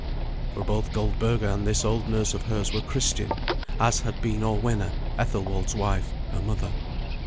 For both Goldberga and this old nurse of hers were Christian, as had been Orwenna, Ethelwald's wife, her mother.